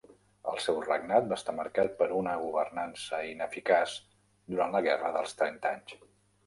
El seu regnat va estar marcat per una governança ineficaç durant la Guerra dels Trenta anys.